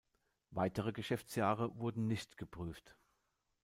Weitere Geschäftsjahre wurden nicht geprüft.